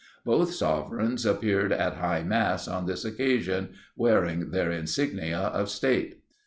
Both sovereigns appeared at high mass on this occasion wearing their insignia of state.